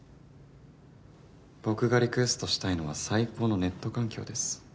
僕がリクエストしたいのは最高のネット環境です